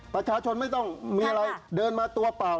ประชาชนไม่ต้องมีอะไรเดินมาตัวเปล่า